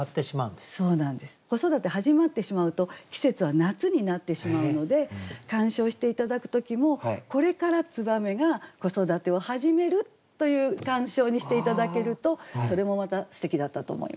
子育て始まってしまうと季節は夏になってしまうので鑑賞して頂く時もこれから燕が子育てを始めるという鑑賞にして頂けるとそれもまたすてきだったと思います。